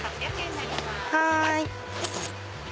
はい。